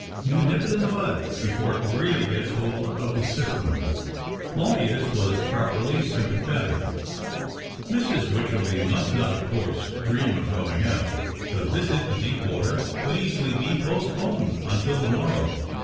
You nip it in the bud, Ijefore it really gets hold of the system." THE OCTAVE OF CLAUDIUS. 257 Claudius was properly sympathetic. Mrs. t\^yclierley must not, of course, dream of romg out. The visit to Deepwater could easily be postponed until the morrow.